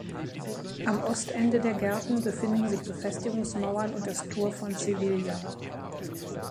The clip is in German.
Am Ostende der Gärten befinden sich Befestigungsmauern und das Tor von Sevilla.